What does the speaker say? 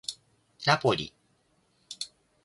ナポリ